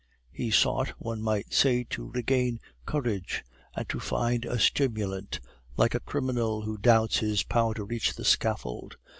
He sought, one might say, to regain courage and to find a stimulant, like a criminal who doubts his power to reach the scaffold.